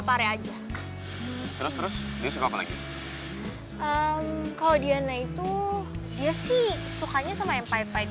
pare aja terus terus dia suka apa lagi kalau diana itu dia sih sukanya sama yang pahit pahit